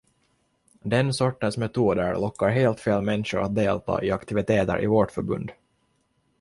Den sortens metoder lockar helt fel människor att delta i aktiviteter i vårt förbund.